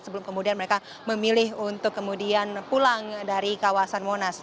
sehingga memang ada beberapa dari mereka yang memilih untuk kemudian pulang dari kawasan monas